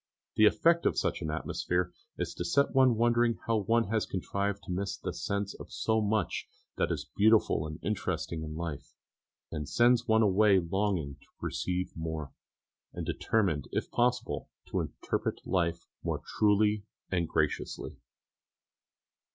The effect of such an atmosphere is to set one wondering how one has contrived to miss the sense of so much that is beautiful and interesting in life, and sends one away longing to perceive more, and determined if possible to interpret life more truly and more graciously.